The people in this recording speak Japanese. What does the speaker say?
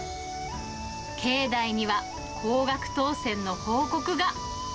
境内には高額当せんの報告が。